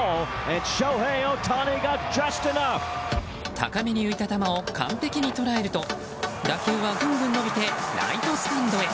高めに浮いた球を完璧に捉えると打球はぐんぐん伸びてライトスタンドへ。